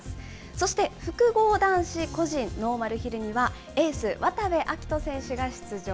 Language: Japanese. そして複合男子個人ノーマルヒルには、エース、渡部暁斗選手が出場。